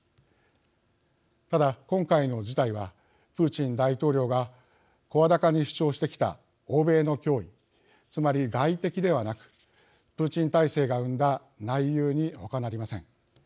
ただ今回の事態はプーチン大統領が声高に主張してきた欧米の脅威つまり外敵ではなくプーチン体制が生んだ内憂にほかなりません。